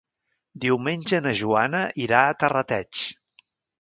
Diumenge na Joana irà a Terrateig.